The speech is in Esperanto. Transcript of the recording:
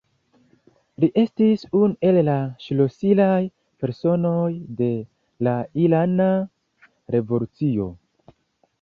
Li estis unu el la ŝlosilaj personoj de la irana revolucio.